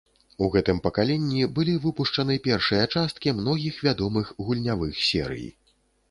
У гэтым пакаленні былі выпушчаны першыя часткі многіх вядомых гульнявых серый.